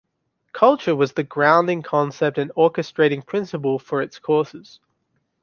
Culture was the grounding concept and orchestrating principle for its courses.